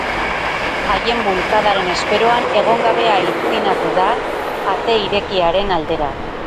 Haien bulkadaren esperoan egon gabe aitzinatu da, ate irekiaren aldera.